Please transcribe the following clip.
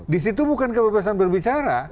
disitu bukan kebebasan berbicara